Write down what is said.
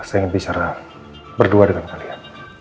saya ingin bicara berdua dengan kalian